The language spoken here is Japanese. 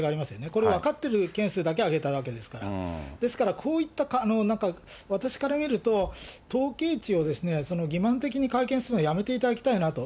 これ分かってる件数だけ挙げたわけですから、ですからこういった私から見ると、統計値を欺まん的に会見するのはやめていただきたいなと。